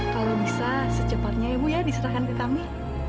kalau bisa secepatnya ibu ya diserahkan ke kami